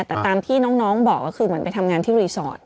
แต่ตามที่น้องบอกก็คือเหมือนไปทำงานที่รีสอร์ท